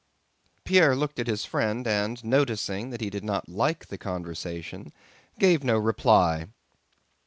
Pierre looked at his friend and, noticing that he did not like the conversation, gave no reply.